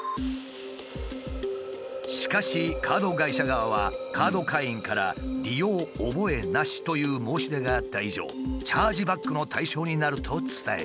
しかしカード会社側はカード会員から「利用覚えなし」という申し出があった以上チャージバックの対象になると伝えてきた。